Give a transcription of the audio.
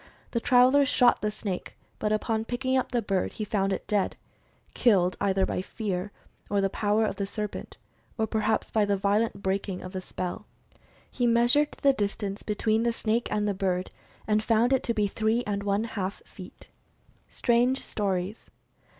The traveler shot the snake, but upon picking up the bird, he found it dead — killed either by fear or the power of the serpent, or perhaps by the violent breaking of the spell. He measured the distance between the snake and the bird and found it to be three and one half feet. STRANGE STORIES.